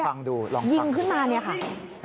แป๊บพี่ใหญ่โดนยิงเนี่ยครับ